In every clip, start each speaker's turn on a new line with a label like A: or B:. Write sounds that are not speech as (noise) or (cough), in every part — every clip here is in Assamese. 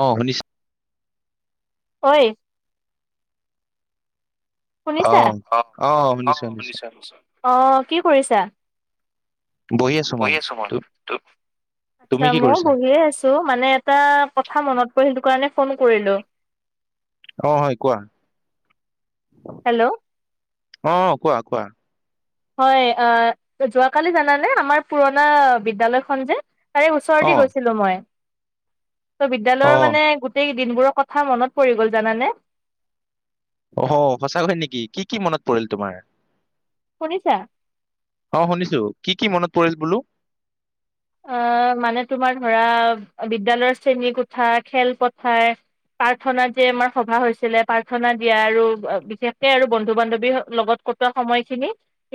A: অ শুনিছা
B: ঐ
A: অ
B: শুনিছা অ শুনিছো শুনিছো অ কি কৰিছা বহি আছো মই তু
A: তুমি কি
B: মইয়ো
A: কৰিছা
B: বহিয়ে আছো মানে এটা কথা মনত পৰিল তো সেইকাৰণে ফোন কৰিলো
A: অহ হয় কোৱা
B: হেল্ল'
A: অহ কোৱা কোৱা
B: হয় অহ যোৱাকালি জানানে আমাৰ পুৰণা বিদ্যালয়খন যে তাৰে
A: অ
B: ওচৰেদি গৈছিলো মই ত
A: অ
B: বিদ্যালয়ৰ মানে গোটেই দিনবোৰৰ কথা মনত পৰি গ'ল জানানে
A: অ সঁচাকৈ নেকি কি কি মনত পৰিল তোমাৰ
B: শুনিছা
A: অ শুনিছো কি কি মনত পৰিল বোলো
B: অ মানে তোমাৰ ধৰা, বিদ্যালয়ৰ শ্ৰেণী কোঠা, খেল পথাৰ, প্ৰাৰ্থনা যে আমাৰ সভা হৈছিলে প্ৰাৰ্থনা দিয়া আৰু বিশেষকে আৰু বন্ধু বান্ধৱী লগত কটোৱা সময়খিনি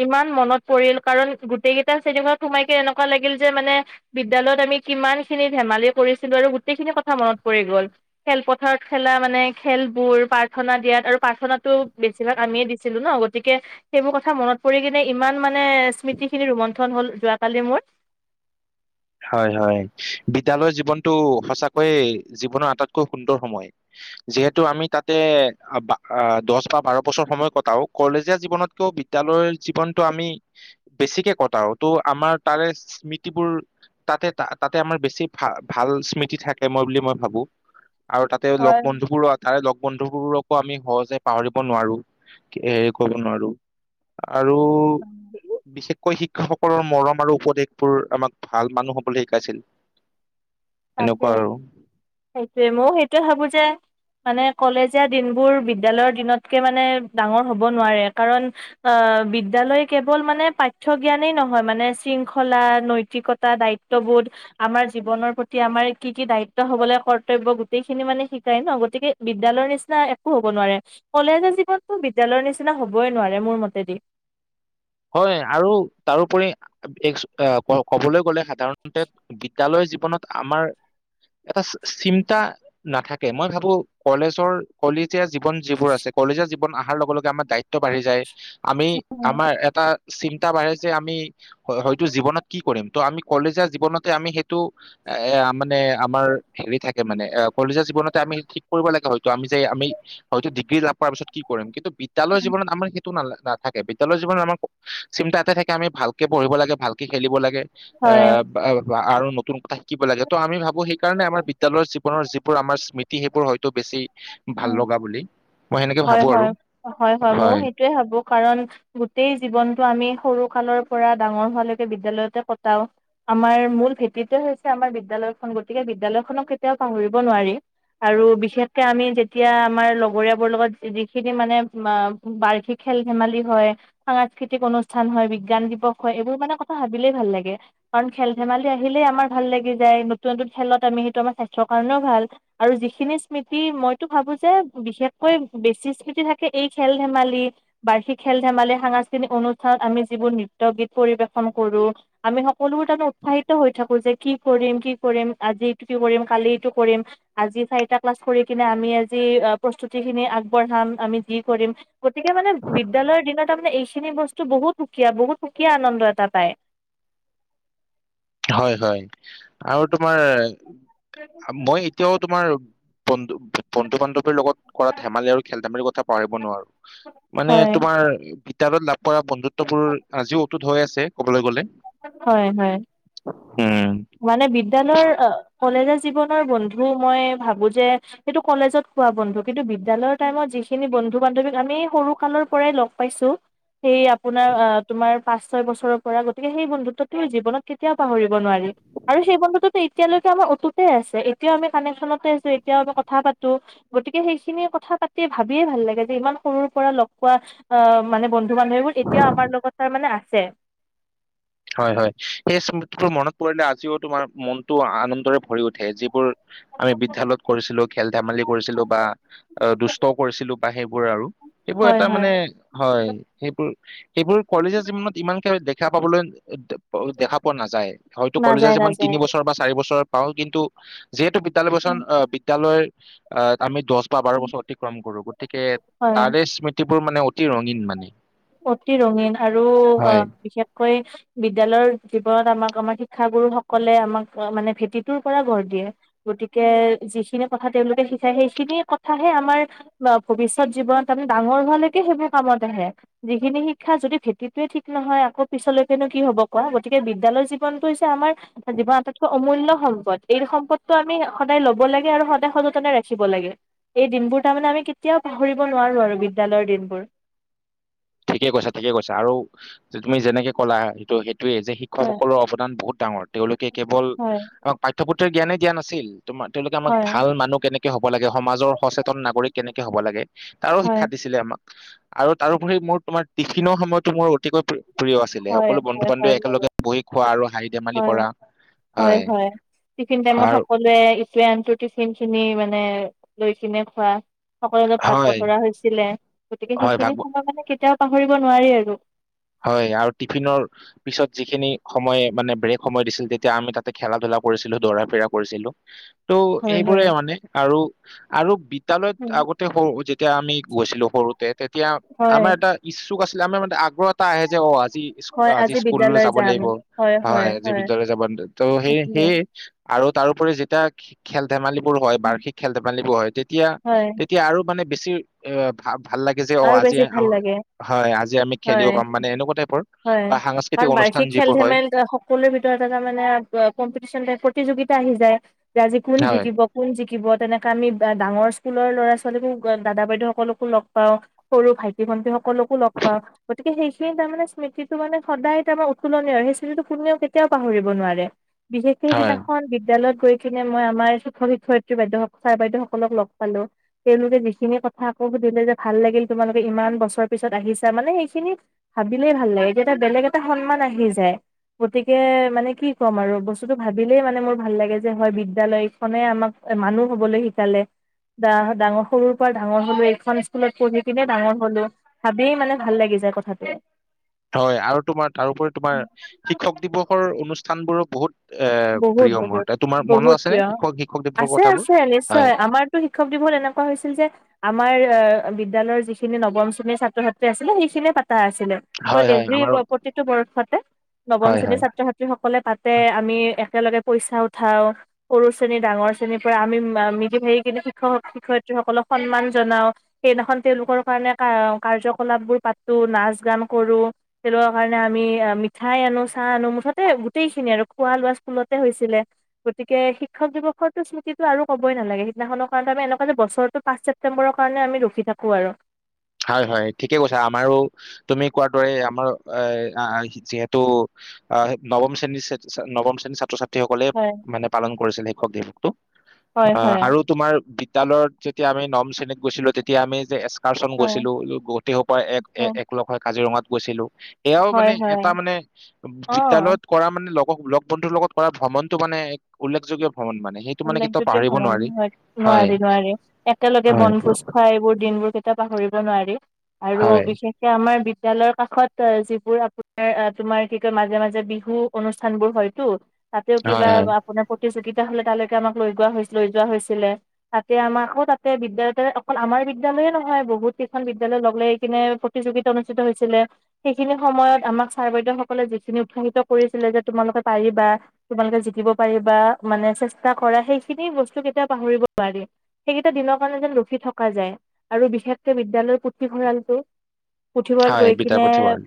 B: ইমান মনত পৰিল কাৰণ গোটেই কেইটা শ্ৰেণী কোঠাত সোমাই এনেকোৱা লাগিল যে মানে বিদ্যালয়ত আমি কিমান খিনি ধেমালি কৰিছিলো আৰু গোটেইখিনি কথা মনত পৰি গ'ল খেলপথাৰত খেলা মানে খেলবোৰ প্ৰাৰ্থনা দিয়াত আৰু প্ৰাৰ্থনাটো বেছিভাগ আমিয়ে দিছিলো ন গতিকে সেইবোৰ কথা মনত পৰি কিনে ইমান মানে স্মৃতিখিনি ৰুমন্থন হ'ল যোৱ কালি মোৰ
A: হয় হয় বিদ্যালয়ৰ জীৱনতটো সঁচাকৈয়ে জীৱনৰ আটাইতকৈ সুন্দৰ সময় যিহেতু আমি তাতে দহ বা বাৰ বছৰ সময় কটাও কলেজীয়া জীৱনতকেও বিদ্যালয়ৰ জীৱনটো আমি বেছিকে কটাও ত' আমাৰ তাৰে স্মৃতিবোৰ তাতে ত তাতে আমাৰ বেছি ভাল ভাল স্মৃতি থাকে মই বুলি মই ভাবো আৰু তাতে লগ
B: হয়
A: বন্ধু বোৰো তাৰে লগ বন্ধুবোৰকো আমি সহজে পাহৰিব নোৱাৰো হেৰি কৰিব নোৱাৰো আৰু বিশেষকৈ শি শিক্ষক সকলৰ মৰম আৰু উপদেশ বোৰ আমাক ভাল মানুহ হ'বলে শিকাইছিল এনেকুৱা
B: তাকে
A: আৰু
B: সেইটোৱে ময়ো সেইটোয়ে ভাবো যে মানে কলেজীয়া দিনবোৰ বিদ্যালয়ৰ দিনতকে মানে ডাঙৰ হ'ব নোৱাৰে কাৰণ আহ বিদ্যালয় কেৱল মানে পাঠ্য জ্ঞানেই নহয় মানে শৃংখলা নৈতিকতা দায়িত্ববোধ আমাৰ জীৱনৰ প্ৰতি প্ৰতি আমাৰ কি কি দায়িত্ব হ'ব লাগে কৰ্তব্য গোটেইখিনি মানে শিকাই ন গতিকে বিদ্যালয়ৰ নিচিনা একো হ'ব নোৱাৰে কলেজীয়া জীৱনতো বিদ্যালয়ৰ নিচিনা হ'বই নোৱাৰে মোৰ মতেদি
A: হয় আৰু তাৰোপৰি ক'বলৈ গ'লে সা সাধাৰণতে বিদ্যালয় জীৱনত আমাৰ এটা চিন্তা নাথাকে মই ভাবোঁ কলেজৰ কলেজীয়া জীৱন যিবোৰ আছে কলেজৰ ৱন আহাৰ লগে লগে আমাৰ দায়িত্ব বাঢ়ি যায় আমি আমাৰ এটা চিন্তা বাঢ়ে যে আমি হয়তো জীৱনত কি কৰিম ত আমি কলেজীয়া জীৱনতে আমি সেইটো এ মানে আমাৰ হেৰি থাকে মানে কলেজীয়া জীৱনতে আমি ঠিক কৰিব লাগে হয়তো আমি যে আমি হয়তো ডিগ্ৰী লাভ কৰাৰ পিছত কি কৰিম কিন্তু বিদ্যালয় জীৱনত আমাৰ সেইটো ন নাথাকে। বিদ্যালয় জীৱনত আমাৰ চিন্তাতে থাকে আমি ভাল কে পঢ়িব লাগে ভালকে খেলিব লাগে অ
B: হয়
A: বা আৰু নতুন কথা শিকিব লাগে ত' আমি ভাবো সেইকাৰণে আমাৰ বিদ্যালয়ৰ জীৱনৰ যিবোৰ আমাৰ স্মৃতি সেইবোৰ হয়তো বেছি ভাল
B: উম
A: লগা বুলি মই সেনেকে
B: হয়
A: ভাবো আৰু
B: হয় হয় হয় ময়ো সেইটোয়ে ভাবোঁ কাৰণ গোটেই জীৱন আমি সৰুকালৰ পৰা ডাঙৰ হোৱালৈকে বিদ্যালয়তে কটাও আমাৰ মূল ভেটিটোৱে হৈছে আমাৰ বিদ্যালয়খন গতিকে বিদ্যালয়খনক কেতিয়াও পাহৰিব নোৱাৰি আৰু বিশেষকে আমি যেতিয়া আমাৰ লগৰীয়া বোৰ লগত যিখিনি মানে বাৰ্ষিক খেল ধেমালি হয় সাংস্কৃতিক অনুষ্ঠান হয় বিজ্ঞান দিৱস হয় এইবোৰ মানে কথা ভাবিলেই ভাল লাগে কাৰণ খেল ধেমালি আহিলেই আমাৰ ভাল লাগি যায় নতুন নতুন খেলত আমি সেইটো আমাৰ স্বাস্থ্যৰ কাৰণেও ভাল আৰু যিখিনি স্মৃতি মইতো ভাবোঁ যে বিশেষকৈ বেছি স্মৃতি থাকে এই খেল ধেমালি বাৰ্ষিক খেল ধেমালি সাংস্কৃতিক অনুষ্ঠানত আমি যিবোৰ নৃত্য গীত পৰিৱেশন কৰোঁ আমি সকলোবোৰ তাৰমানে উৎসাহিত হৈ থাকো যে কি কৰিম কি কৰিম আজি এইটো কি কৰিম কালি এইটো কৰিম আজি চাৰিটা ক্লাছ কৰি কিনে আমি আজি প্ৰস্তুতি খিনি আগ পঢ়াম, আমি যি কৰিম গতিকে মানে বিদ্যালয়ৰ দিনত তাৰ মানে এইখিনি বস্তু বহুত সুকীয়া বহুত সুকীয়া আনন্দ এটা পায়।
A: হয় হয় আৰু তোমাৰ মই এতিয়াও তোমাৰ বন্ধু বন্ধু বান্ধৱীৰ লগত কৰা ধেমালি আৰু খেল ধেমালিৰ কথা পাৰিব নোৱাৰো মানে
B: হয়
A: তোমাৰ তাৰ পৰা (unintelligible) পৰা বন্ধুত্ববোৰ আজিও ত হৈ আছে ক'বলে গ'লে
B: হয় হয়
A: উম
B: মানে বিদ্যালয়ৰ অ কলেজ জীৱনৰ বন্ধু মই ভাবোঁ যে সেইটো কলেজত পোৱা বন্ধু কিন্তু বিদ্যালয়ৰ টাইমত যিখিনি বন্ধু বান্ধৱীক আমি সৰু কালৰ পৰাই লগ পাইছোঁ সেই আপোনাৰ তোমাৰ পাঁচ ছয় বছৰৰ পৰা গতিকে সেই বন্ধুত্বটো জিৱনত কেতিয়াও পাহৰিব নোৱাৰি। আৰু সেই বন্ধুত্বটো এতিয়ালৈকে আমাৰ অতুতে আছে এতিয়াও আমি কানেকচনতে আছোঁ এতিয়াও আমি কথা পাতো গতিকে সেইখিনি কথা পাতি ভাবিয়ে ভাল লাগে যে ইমান সৰুৰ পৰা লগ পোৱা মানে বন্ধু বন্ধু বান্ধৱীবোৰ এতিয়াও আমাৰ লগত তাৰ মানে আছে
A: হয় হয় সেই স্মৃতিবোৰ মনত পৰিলে আজিও তোমাৰ মনটো আনন্দৰে ভৰি উঠে যিবোৰ আমি বিদ্যালয়ত কৰিছিলো খেল ধেমালি কৰিছিলো বা দুষ্টও কৰিছিলো বা সেইবোৰ আৰু সেইবোৰ
B: হয়
A: এটা মানে, হয় সেইবোৰ সেইবোৰ কলেজীয়া জীৱনত ইমানকে। সেয়া পাবলৈ। ় (unintelligible) দেখা পোৱা নাযায় হয়তো
B: নাযায়
A: কলেজীয়া জীৱন
B: নাযায়
A: তিনি বছৰ বা চাৰি বছৰ। পাও কিন্তু যিহেতু বিদ্যালয় বছন বিদ্যালয়ৰ অ আমি দহ বা বাৰ বছৰ অতিক্ৰম কৰো গতিকে
B: হয়
A: তাৰে স্মৃতি তোৰ মানে অতি ৰঙীন মানে।
B: অতি ৰঙীন আৰু অ
A: হয়
B: বিশেষকৈ বিদ্যালয় জীৱনত আমাক আমাৰ শিক্ষাগুৰুসকলে আমাক মানে ভেটিটোৰ পৰা গঢ় দিয়ে গতিকে যিখিনি কথা তেওঁলোকে শিকায় সেইখিনি কথাহে আমাৰ ভৱিষ্যত জীৱনত আম ডাঙৰ হোৱালৈকে সেইবোৰ কামত আহে। যিখিনি শিক্ষা যদি ভেটিটোৱে ঠিক নহয় আকৌ পিছলৈকেনো কি হব কোৱা গতিকে বিদ্যালয় জীৱনটো হৈছে আমাৰ। এ জীৱনটাইতকৈ অমূল্য সম্পদ এই সম্পদটো আমি সদায় ল'ব লাগে আৰু সদায় সযতনে ৰাখিব লাগে এই দিনবোৰ তাৰমানে আমি কেতিয়াও পাহৰিব নোৱাৰো আৰু বিদ্যালয়ৰ দিনবোৰ।
A: ঠিকে কৈছা ঠিকে কৈছা আৰু তুমি যেনেকে ক'লা সেইটো সেই সেইটো যে
B: হয়
A: শিক্ষকসকলৰ অৱদান বহুত। ডাঙৰ তেওঁলোক কেৱল
B: হয়
A: পাঠ্যপ্ৰ জ্ঞানে দিয়া নাছিল তোমাৰ তেওঁলোকে আম
B: হয়
A: ভাল মানুহ কেনেকে হব লাগে সমাজৰ সচেতন নাগৰিক কেনেকে হ'ব লাগে তাৰো
B: হয়,
A: শিক্ষা দিছিলে আমাক। আৰু তাৰোপৰি মোৰ তোমাৰ টিফিনৰ সময়তো মোৰ অতিকৈ প্ৰ প্ৰিয় আছিলে
B: হয়,
A: সকলো বন্ধু
B: হয়, হয়,
A: বান্ধৱে
B: মোৰো
A: একেলগে বহি খোৱা আৰু শাৰীত
B: হয় হয় হয় টিফিন টাইমত
A: আৰু
B: সকলোৱে (unintelligible) সকলো ভাগ
A: হয়
B: বতৰা হৈছিলে গতিকে
A: হয় ভাগ
B: সেইখিনি
A: ব-
B: সময় মানে কেতিয়াও পাহৰিব নোৱাৰি আৰু
A: হয় আৰু টিফিনৰ পিছত যিখিনি সময় মানে ব্ৰেক সময় দিছিল তেতিয়া আমি তাতে খেলা ধূলা কৰিছিলো দৌৰা ফিৰা কৰিছিলো। ত'
B: হয়, হয়,
A: এইবোৰেই মানে আৰু আৰু বিত বিদ্যালয়ত
B: উম,
A: আগতে সৰু যেতিয়া আমি গৈছিলো সৰুতে তেতিয়া
B: হয়,
A: আমাৰ এটা ইচ্ছুক আছে। আমাৰ মানে আগ্ৰ আহে যে ক আজি আজি স্কুললৈ যাব লাগিব হয় আজি বিদ্যালয় যাব ত সেই
B: সেইখিনিয়ে
A: সেয়ে আৰু তাৰোপৰি যেতিয়া খেল ধেমালিবোৰ হয় বাৰ্ষিক খেল ধেমালিবোৰ হয় তেতিয়া
B: হয়
A: তেতিয়া আৰু মানে বেছি এ ভাব ভাল লাগে যে অ
B: আৰু
A: আজি
B: বেছি ভাল লাগে
A: হয় আজি আমি খেলিও-
B: হয়। হয় কাৰণ বাৰ্ষিক, খেল
A: যিবোৰ হয়
B: ধেমেল সকলোৰে ভিতৰত এটা মানে কম্পিটিচন, প্ৰতি সযোগিতা আহি যায় আজি কোন
A: হয়
B: জিকিব কোন জিকিব তেনেকে আমি ডাৰ স্কুলৰ ল'ৰা ছোৱালীকো দাদা বাইদেউ সকলকো লগ পাওঁ সৰু ভাইটি ভন্টি সকলকো লগ পাওঁ গতিকে সেইখিনি তাৰমানে স্মৃতিটো, মানে সদায় তাৰমান উতুলনীয় আৰু সেই স্মৃতিটো কোনেও কেতিয়াও পাহৰিব নোৱাৰে। বিশেষকে
A: হয়
B: সেইদিনাখন বিদ্যালয় কৰি কিনে মই আমাৰ শিক্ষয়ত্ৰী বাইেউ ছাৰ বাইদেউ সকলক লগ পালো তেওঁলোকে যিখিনি কথা আকৌ সুধিলে যে ভাল লাগিল তোমালোকে ইমান বছৰ পিছত আহিছা মানে সেইখিনি ভাবিলেই ভাল লাগে এতিয়া এ বেলেগ এটা সন্মান আহি যায় গতিকে মানে কি ক'ম আৰু বস্তুতটো ভাবিলেই মানে মোৰ ভাল লাগে যে হয় বিদ্যালয়খনে আমাক মানুহ হবলৈ শিকালে বা ডাঙৰ সৰুৰ পৰা ডাঙৰ হলেও এইখন স্কুলত পঢ়ি কিনে ডাঙৰ হলো ভাবিয়েই মানে ভাল লাগি যায় কথাটো
A: হয় আৰু তোমাৰ তাৰোপৰি তোমাৰ শিক্ষক দিৱসৰ অনুষ্ঠান স্থানবোৰো বহুত- এ
B: বহুত
A: প্ৰিয় মোৰ
B: বহুত
A: তা- তোমাৰ মনত
B: বহুত
A: আছেনে
B: প্ৰিয়
A: শিক্ষক শিক্ষক দিৱসৰ
B: আছে
A: কথাবোৰ?
B: আছে
A: হয়
B: নিশ্চয় আমাৰতো শিক্ষক দিৱল এনেকুৱা হৈছিল যে আমাৰ বিদ্যালয়ৰ যিখিনিৰ নম শ্ৰেণীত ছাত্ৰ- ছাত্ৰী আছিল সেইখিনিয়ে। আছিলে
A: হয় হয়
B: এভি
A: আমাৰো
B: প্ৰতিটো বৰ্ষতে নৱম
A: হয়
B: শ্ৰেণীৰ
A: হয়
B: ছাত্ৰ -ছাত্ৰী সকলে পাতে আমি একেলগে পইচা উঠাও সৰু শ্ৰেণী ডাঙৰ শ্ৰেণীৰ পৰা আমি মিলি ভাগি কিনে শিক্ষক শিক্ষয়িত্ৰীসকলক সন্মান জনাও সেইদিনাখন তেওঁলোকৰ কাৰণে কাৰ্যকলাপবোৰ পাতো নাচ গান কৰো তেওঁলোকৰ কাৰণে আমি মিঠাই আনো চাহ আনো মুঠতে গোটেইখিনি আৰু খোৱা লোৱা। স্কুলতে হৈছিলে গতিকে শিক্ষক দিৱসৰো স্মৃতিতটো আৰু ক'বই নালাগে সিদিনাখনৰ কাৰণে আমি এনেকুৱা যে বছৰটো পাঁচ ছেপটেম্বৰৰ কাৰণে আমি ৰখি থাকো আৰু
A: হয় হয় ঠিকে কৈছো আমাৰো তুমি কোৱাৰ দৰে আমাৰ এ যিহেতু নৱম শ্ৰেণীৰ নৱম শ্ৰেণীৰ ছাত্ৰ ছাত সকলে
B: হয়
A: মানে পালন- কৰিছিল শিক্ষক দিৱক
B: হয়
A: অ
B: হয়
A: আৰু তোমাৰ লত যেতিয়া আমি নম শ্ৰেণীত গৈছিলোঁ তেতিয়া আমি যে এছ তাৰচন
B: হয়
A: গৈছে। গোটেই স পৰা এক এককলখ কাজিৰঙাত গৈছিলো। এয়াও মানে
B: হয় হয় হয়।
A: এটা মানে
B: অ
A: বিদ্যালয়ৰ কৰা মানে লগ বন্ধুৰ লগত কৰা ভ্ৰমণটো মানে এক উল্লেখযোগ্য ভ্ৰমণ মানে সেইটো মানে
B: উল্লেখ
A: কেতিয়াও
B: যোগয়
A: পাহৰিব
B: সমান
A: নোৱাৰি
B: হয়
A: হয়
B: নোৱাৰি নোৱাৰি একেলগে
A: হয়
B: বনভোজ খোৱা এইবোৰ দিনবোৰ- পাহৰিব নোৱাৰি- আৰু
A: হয়
B: বিশেষকে আমাৰ পৰিয়ালৰ কাষত যিবোৰ আপোনাৰ তোমাৰ কি কয় মাজে মাজে বিহু অনুষ্ঠান বোৰ হয়তটো। তাতেও কিবা
A: হয় হয়
B: আপোনাৰ প্ৰতিযো তিতিযা হলে তাৰলে আমাক লৈ যোৱা লৈ যোৱা হৈছিলে তাতে আমাকো তাতে বিদ্যালয়তে অকল আমাৰ বিদ্যালয়ে নহয় বহুত কেইখন বিদ্য়ালয় লগ লাই এই কিনে প্ৰতিযোগিতা অনুষ্ঠিত হৈছিলে সেইখিনি সময়ত আমাক ছাৰ বাইদেউ সকলে যিখিনি উৎসাহিত কৰিছিলে যে তোমালোকে পাৰিবা তোমালোকে জিকিব পাৰিবা মানে চে চা কৰা সেইখিনি বস্তু কেতিয়াও পাহৰিব পাৰি সেইকেইটা দিনৰ কাৰণে যেন ৰখি থকা যায় আৰু বিশেষকে বিদ্য়ালয়ৰ পুথিভঁৰালটো? পুথিভঁৰাল
A: হয়
B: গৈ কিনে।
A: বিদ্যাপথী ৱাৰল্ড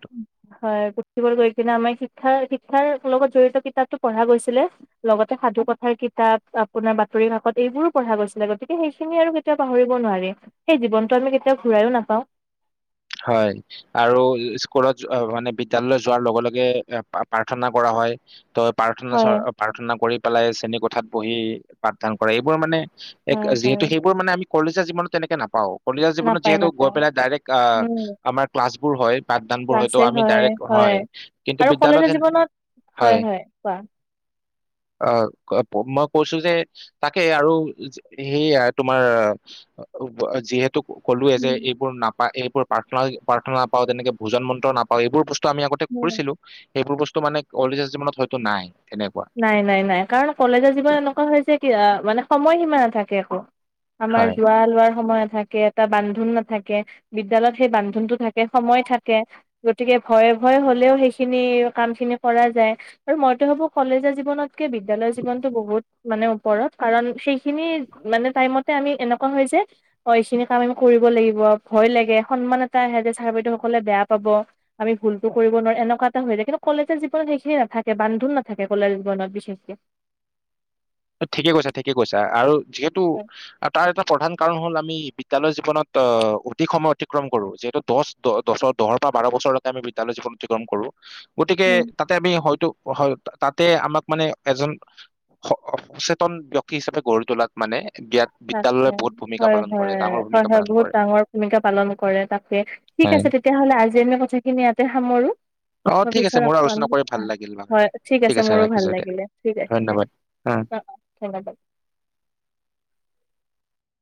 B: হয় পুথি ভঁৰাল গৈ কিনে আমাৰ শিক্ষা শিক্ষাৰ লগত জড়িত কিতাপতো পঢ়া গৈছিলে লগতে সাধু কথাৰো। কিতাপ আপোনাৰ বাতৰি কাকত এইবোৰো পঢ়া গৈছিলে গতিকে সেইখিনি আৰু কেতিয়াও পাহৰিব নোৱাৰি সেই জীৱনটো আমি কেতিয়াও ঘুৰাইও নাপাও?
A: হয় আৰু স্কুলত যোৱা মানে বিদ্যালয় যোৱাৰ লগে লগে প্ৰাৰ্থনা কৰা হয় ত। প্ৰাৰ্থনা চ
B: হয়
A: প্ৰাৰ্থনা কৰি পেলাই আছে? তেনে কোঠাত বহি পাঠদান কৰা এইবোৰ মানে। এক
B: হয় হয়
A: যিহেতু সেইবোৰ মানে আমি। কলিচে জীৱনটো তেনেকে নাপাওঁ? কলিজাৰ জীৱনটো
B: নাপায়
A: যিহেতু গৈ
B: নাপায়
A: পেলাই ডাইৰেক্ট।
B: উম
A: আমাৰ ক্লাছ। এই বোৰ হয়। পাঠদানবোৰ হয়তো
B: ক্লাছে
A: আমি
B: হয়
A: ডাইৰেক্ট
B: হয়
A: কিন্তু
B: আৰু
A: বিদ্যালয়ত
B: কলেজৰ
A: হেন-
B: জীৱনত হয় হয় কোৱা।
A: অ মই কৈছো যে তাকে আৰু সেইয়া তোমাৰ যিহেতু। ক'লোয়ে যে
B: উম,
A: এইবোৰ নাপায় এই। প্ৰাৰ্থনা প্ৰাৰ্থনাাপাওঁ তেনেকে ভোজন মন্ত্ৰ নাপাওঁ এইবোৰ বস্তু। আমি আগতে
B: উম,
A: কৰিছিলো এইবোৰ বস্তু। মানে অ কলেজৰ জীৱনত হয়তো নাই। তেনেকুৱা
B: নাই নাই নাই কাৰণ কলেজৰ জীৱনমান এনেকুৱা হৈছে কি মানে। সময় সীমা নাথাকে আকৌ। আমাৰ
A: হয়
B: যোৱা লোৱাৰ সময়ত। থাকে এটা বান্ধোন নাথাকে বিদ্যালয়ত সেই বান্ধোনতটো থাকে সময় থাকে গতিকে ভয় ভয় হলেও সেইখিনি কাম খিনি কৰা যায় আৰু মইতো ভাবো। কলেজীয়া জীৱনত। কে বিদ্যালয় জীৱনটো বহুত। মানে ওপৰত কাৰণ সেইখিনি মানে টাইমতে আমি এনেকুৱা হয় যে অ এইখিনি কাম আমি কৰিব লাগিব ভয় লাগে সন্মান এটা আহে যে চাৰ বাইদেউ সকলে বেয়া পাব আমি ভুলতো কৰিব নোৱাৰো এনেকুৱা এটা হৈ যে কিন্তু কলেজৰ জৱনত সেইখিনি নাথাকে বান্ধোন না। থাকে কলেজ জীৱনত বিশেষকে।
A: ঠিকে কৈছা ঠিকে কৈছা আৰু। যিহেতু
B: হয়
A: তাৰ এটা প্ৰধান কাৰণ হ'ল আমি। বিদ্যালয় জীৱনত আহ অধিক সময় অতিক্ৰম কৰো যিহেতু দহ দহ দৰ দহৰ পৰা বাৰ বছৰলৈকে আমি বিদ্যালয় জীৱন অতিক্ৰম কৰো। গতিকে
B: উম
A: তাতে আমি হয়তো। হয় তাতে আমাক মানে এজন। অসচেতন ব্যক্তি হিচাপে গঢ়ি তোলাত মানে। বিয়াত
B: তাক
A: বিদ্যালয়ে
B: হয়
A: বহুত ভূমিকা
B: হয়
A: পালন কৰে
B: হয়
A: ডাঙৰ
B: হয়
A: ভূমিকা
B: হয়
A: পালন
B: বহুত
A: কৰে
B: ডাঙৰ ভূমিকা পালন কৰে তাকে ঠিক
A: হয়
B: আছে তেতিয়াহলে আজি আ কথাখিনি। সামৰো?
A: অ
B: মই
A: ঠিক আছে
B: পিছত
A: মোৰ
B: আকম
A: আলোচনা কৰি ভাল লাগিল বাৰু
B: হয় ঠিক আছে মোৰো ভাল লাগিলে ঠিক আছে অ অ অ ধন্যবাদ।